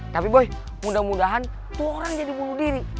tapi boy mudah mudahan tuh orang jadi bunuh diri